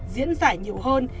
diễn giải nhiều hơn